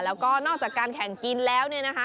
แล้วก็นอกจากการแข่งกินแล้วเนี่ยนะคะ